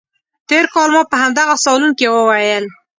تېر کال ما په همدغه صالون کې وویل.